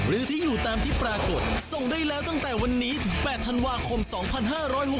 แล้วค่อยไปรูปตารันข่าวนะคะ